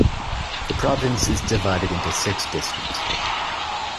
The province is divided into six districts.